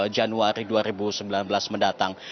tiga puluh januari dua ribu sembilan belas mendatang